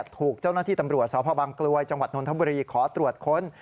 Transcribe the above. ถูกเจ้าหน้าที่ตำรวจสพกรวยจนนทบุรีขอตรวจค้น